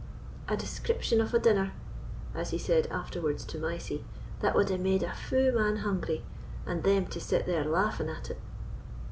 "A description of a dinner," as he said afterwards to Mysie, "that wad hae made a fu' man hungry, and them to sit there laughing at it!"